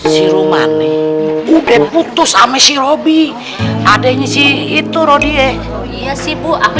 si rumah nih udah putus ame si robby adeknya sih itu rodi eh iya sih bu aku